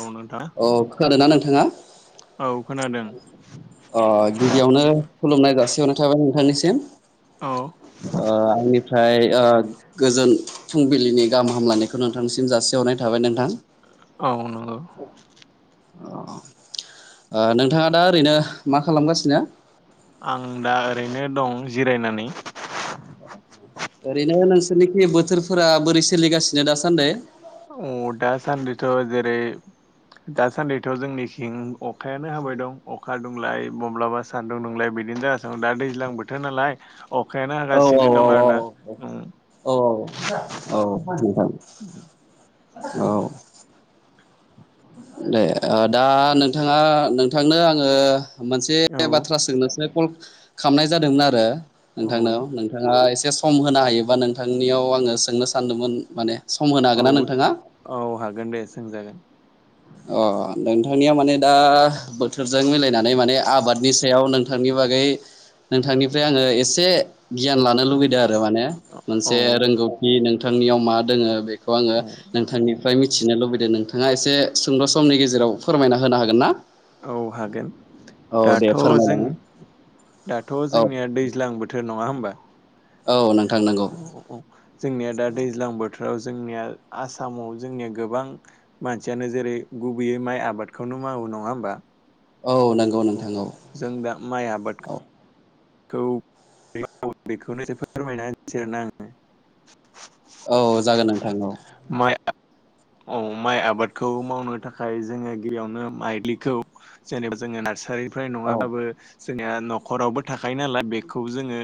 औ नोंथां अ खोनादोंना नोंथाङा? औ खोनादों अ गिबियावनो खुलुमनाय जाासि हरनाय थाबाय नोंथांनिसिम औ ओ आंनिफ्राय ओ गोजोन फुंबिलिनि गाहाम हामलायनायखौ नोंथांसिम जासिहरनाय थाबाय नोंथां औ नंगौ ओ नोंथाङा दा ओरैनो मा खालामगासिनो? आं दा ओरैनो दं जिरायनानै ओरैनो नोंसोरनिखि बोथोरफोरा बोरै सोलिगासिनो दासान्दै अ दासान्दैथ' जेरै दासान्दैथ' जोंनिथिं अखायानो हाबाय दं अखा दुंलाय माब्लाबा सान्दुं दुंलाय बिदिनो जाना दं दा दैज्लां बोथोर नालाय अखायानो हागासिनो दं आरो ना औ-औ-औ-औ-औ-औ-औ-औ-औ नोंथां। औ ओ दा नोंथाङा नोंथांनो आङो मोनसे औ बाथ्रा सोंनोसो कल खालामनाय जादोंमोन आरो औ नोंथांनाव नोंथाङा ए से सम होनो हायोबा नोंथांनियाव आङो सोंनो सानदोंमोन माने सम होनो औ हागोन ना नोंथाङा औ हागोन दे सोंजागोन अ नोंथांनिया माने दा बोथोरजों मिलायनानै माने आबादनि सायाव नोंथांनि बागै नोंथांनिफ्राय आङो एसे गियान लानो लुबैदों आरो माने औ मोनसे रोंगौथि नोंथांनियाव मा दोङो बे खौ आङो औ नोंथांनिफ्राय मिथिनो लुबैदों नोंथाङा एसे सुंद' समनि गेजेराव फोरमायना होनो हागोन ना? औ हागोन औ दे दाथ' जों फोरमायलाङो दाथ' औ जोंनिया दैज्लां बोथोर नङा होमबा औ नों जोंनिया दा दैज्लां बोथोर ओ जोंनिया आसामाव जोंनिया गोबां मानसियानो जेरै गुबैयै माइ आबादखौ मावो नङा होमबा? औ नांगौ नोंथां औ जों दा माइ आबादखौ औ बेखौनो फोरमायनानै होनिसैना आङो [unintelligible] औ जागोन नोंथां औ माइ औ माइ आबादखौ मावनो थाखाय जोङो गिबियावनो माइलिखौ जेनेबा जोङो नारसारि फ्राय औ नङाबो जोंनि न'खरावबो थाखायो नालाय बेखौ जोङो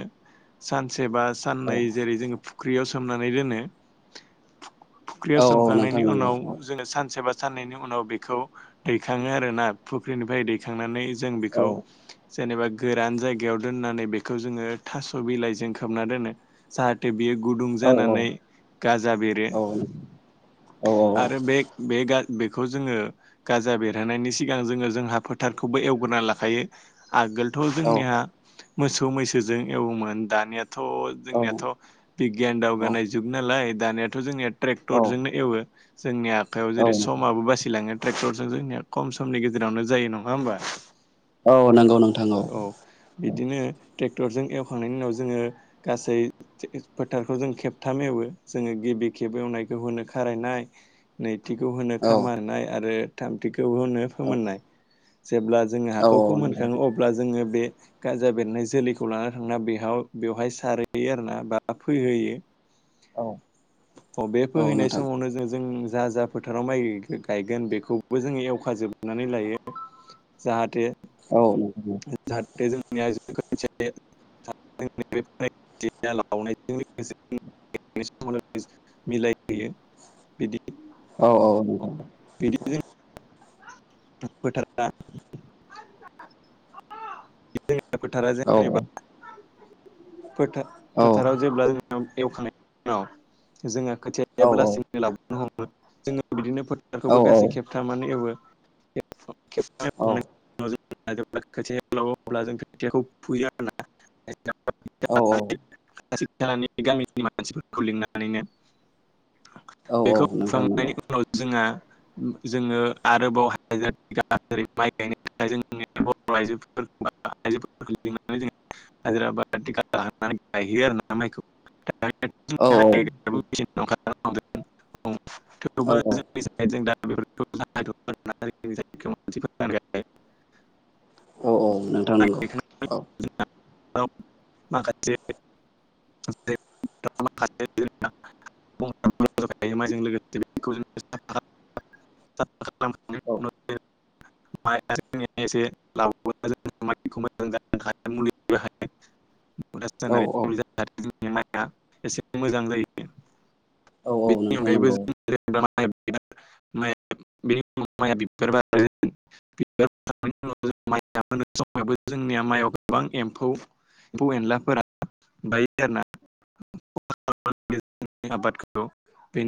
सानसे बा औ साननै जेरै जोङो फुख्रियाव सोमनानै दोनो फुख्रियाव औ औ नोंथां सोमखांनायनि नंगौ उनाव औ जोङो सानसेबा सानैनि उनाव बेखौ दैखाङो आरोना फुख्रिनिफ्राय दैखांनानै जों औ बेखौ जेनेबा गोरान जायगायाव दोननानै बेखौ जोङो थास' बिलाइजों खोबना दोनो जाहाथे बेयो गुदुं औ जानानै गाजा बेरो औ आरो बे बे बेखौ जोङो गाजा बेरहैनायनि सिगां जोङो जोंहा फोथारखौबो एवग्रोना लाखायो आगोलथ' जोंनिहा मोसौ मैसोजों एवोमोन दानिया थ' जोंनियाथ' बिगियान दावगानाय जुग नालाय दानियाथ' जोंनिया ट्रेक्टरजोंनो एवो जोंनि आखायाव औ जेरै समाबो बासिलाङो ट्रेक्टरजों जोंनिया खम समनि गेजेरावनो जायो नङा ओमबा औ नंगौ नोंथां औ बिदिनो टे क्टरजों एवखांनायनि उनाव जोङो गासै फोथारखौ जों खेबथाम एवो जोङो गिबि खेब एवनायखौ होनो खारायनाय नैथिखौ होनो औ खामार होनाय आरो थामथिखौ होनो फोमोननाय जेब्ला जोङो औ हाखौ फोमोनखाङो नोंथां अब्ला जोङो बे गाजा बेरनाय जोलैखौ लाना थांना बेहाव बेवहाय सारहैयो आरो ना बा फोहोयो। औ बे औ फोहैनाय नोंथां समावनो जों जों जा जा फोथाराव माइ गायगोन बेखौबो जोंङो एवखा जोबनानै लायो। जाहाथे औ नोंथां जाहाथे जोंनिया [unintelligible] याजों [unintelligible] [unintelligible] मिलायहोयो बिदि औ औ नंगौ। बिदि जों [unintelligible] फोथारा औ जेनेबा फोथार औ औ फोथाराव जेब्ला जों एवखांनायनायनि उनाव जोङो खोथियाबो लासिनो लावबोननो हमो जोङो बिदिनो फोथारखौबो औ गासै खेबथामानो एवो। खेबथाम एवखांनायनायनि उनाव जोङो जेब्ला खोथिया लावो अब्ला जों खोथियाखौ फुयो आरो ना। औ [unintelligible] गामिनि मानसिफोरखौ लिंनानैनो औ बेखौ नोंथां फुखांनायनि नंगौ उनाव जोंहा जोङो आरोबाव [unintelligible] माइ गायनो थाखाय जों बर' आइजो बा आइजोफोरखौ लानानै जोङो हाजिरा बा थिखा लानानै गायो आरो ना माइखौ औ औ [unintelligible] औ थेवबो जोंनि साइडजों दा [unintelligible] औ औ नोंथां नंगौ औ माखासे [unintelligible] माइजों लोगोसे बेखौ जोङो औ [unintelligible] एसे लावबा माइखौ मोजां जानो थाखाय मुलि बाहायो। औ रासायनारि [unintelligible] माइआ एसे मोजां जायो। औ औ बेनि नोंथां अनगायैबो नंगौ जों [unintelligible] माइया बिबार बारो बिबार बारनायनि उनाव जोङो माइ समावबो जोंनिया माइआव गोबां एम्फौ एम्फौ एनलाफोरा बायो आरोना [unintelligible] आबादखौ बेनि